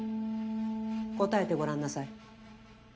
答えてごらんなさい。